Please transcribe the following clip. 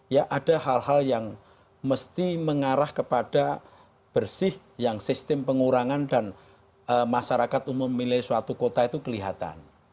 ya ada hal hal yang mesti mengarah kepada bersih yang sistem pengurangan dan masyarakat umum milih suatu kota itu kelihatan